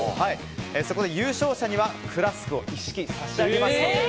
そこで優勝者にはＫＬＡＳＫを一式差し上げます。